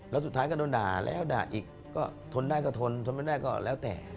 แล้วสุดท้ายก็โดนด่าแล้วด่าอีกก็ทนได้ก็ทนทนไม่ได้ก็แล้วแต่